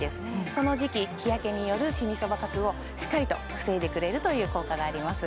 この時期日焼けによるシミ・そばかすをしっかりと防いでくれるという効果があります